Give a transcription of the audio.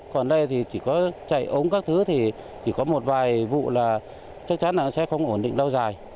còn đây thì chỉ có chạy ống các thứ thì chỉ có một vài vụ là chắc chắn là sẽ không ổn định lâu dài